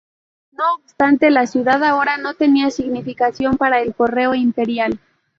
No obstante, la ciudad ahora no tenía significación para el Correo Imperial.